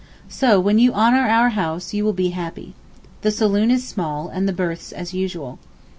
So when you 'honour our house' you will be happy. The saloon is small, and the berths as usual.